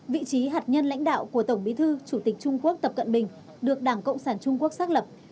vị trí hạt nhân lãnh đạo của tổng bí thư chủ tịch trung quốc tập cận bình được đảng cộng sản trung quốc xác lập